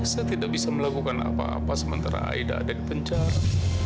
saya tidak bisa melakukan apa apa sementara aida ada di penjara